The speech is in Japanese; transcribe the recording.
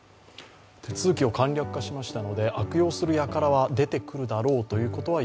手続きを簡略化しましたので、悪用する輩は増えていくだろうと。